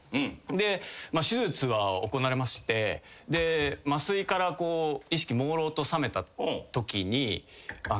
で手術は行われまして麻酔から意識もうろうと覚めたときに。